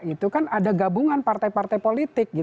itu kan ada gabungan partai partai politik